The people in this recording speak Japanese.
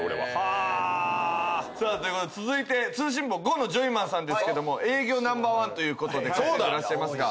さあ続いて通信簿５のジョイマンさんですけども営業ナンバーワンということで稼いでらっしゃいますが。